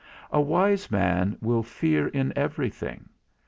_A wise man will fear in everything.